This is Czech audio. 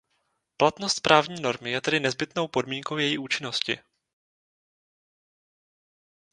Platnost právní normy je tedy nezbytnou podmínkou její účinnosti.